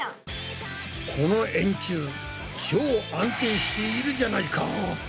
この円柱超安定しているじゃないか！